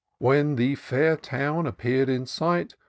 When the fair town appear'd in sight.